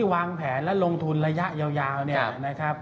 วางแผนและลงทุนระยะยาวเนี่ยนะครับ